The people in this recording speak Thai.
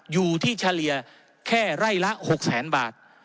อยู่ที่เฉลี่ยแค่ไร่ละ๖แสนบาท